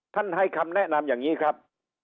ให้คำแนะนำอย่างนี้ครับ